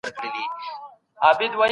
د سترګو کږوالی د درملنې وړ دی.